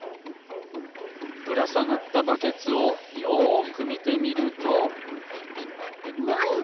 ぶらさがったバケツをよくみてみるとなんだ？